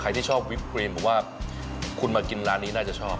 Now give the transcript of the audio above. ใครที่ชอบวิบครีมต่อว่าคุณมากินน่าจะชอบ